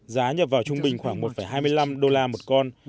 giá nhập vào trung bình khoảng một hai mươi năm đô la một con